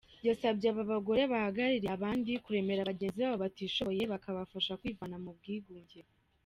Yabasabye aba bagore bahagarariye abandi kuremera bagenzi babo batishoboye bakabafasha kwivana mu bwigunge.